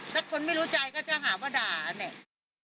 ถ้าคนไม่รู้ใจก็จะภาพว่าก้าวเนี่ย